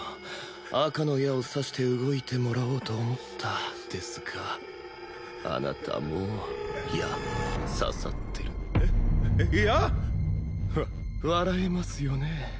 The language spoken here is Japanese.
赤の矢を刺して動いてもらおうと思ったですがあなたもう矢刺さってるえっ矢？わ笑えますよね